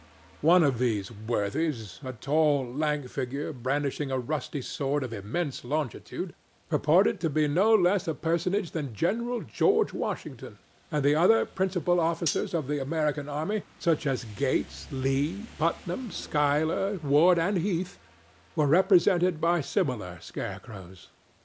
One of these worthies—a tall, lank figure brandishing a rusty sword of immense longitude—purported to be no less a personage than General George Washington, and the other principal officers of the American army, such as Gates, Lee, Putnam, Schuyler, Ward and Heath, were represented by similar scarecrows.